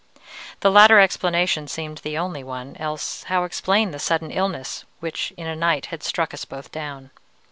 The latter explanation seemed the only one, else how explain the sudden illness which in a night had struck us both down?